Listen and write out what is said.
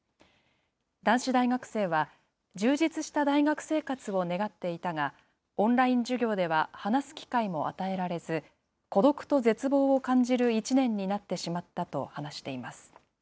男子大学生は、充実した大学生活を願っていたが、オンライン授業では話す機会も与えられず、孤独と絶望を感じる１年になってしまったと話しています。